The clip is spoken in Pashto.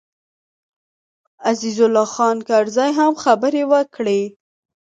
عزیز الله خان کرزي هم خبرې وکړې.